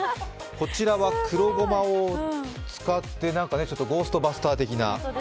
こちらは黒ごまを使って、何かゴーストバスター的な。